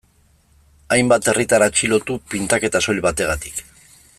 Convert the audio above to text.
Hainbat herritar atxilotu pintaketa soil bategatik.